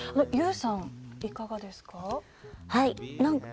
ＹＯＵさん、いかがですか？